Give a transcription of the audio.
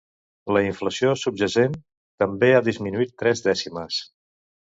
La inflació subjacent també ha disminuït tres dècimes.